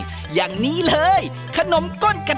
ก็ต้องไปต่อกันที่ของทาเล่นชาวลาเวียง